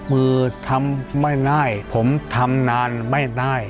มือทำไม่ได้ผมทำนานไม่ได้